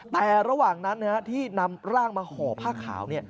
แต่ระหว่างนั้นที่นำร่างมาห่อผ้าขาว